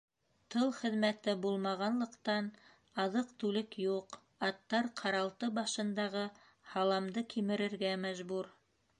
Тыл хеҙмәте булмағанлыҡтан, аҙыҡ-түлек юҡ, аттар ҡаралты башындағы һаламды кимерергә мәжбүр.